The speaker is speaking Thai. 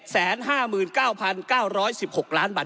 ใช้เงินไป๗๕๙๙๑๖ล้านบาท